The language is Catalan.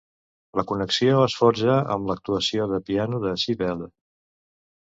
La connexió es forja amb l"actuació de piano de Sybelle.